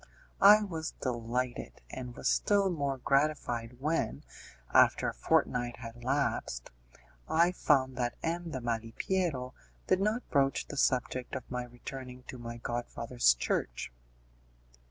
I was delighted, and was still more gratified when, after a fortnight had elapsed, I found that M. de Malipiero did not broach the subject of my returning to my godfather's church.